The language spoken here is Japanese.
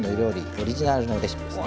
オリジナルのレシピですね。